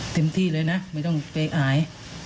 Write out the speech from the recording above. เต็มที่เลยนะไม่ต้องเปรงอาย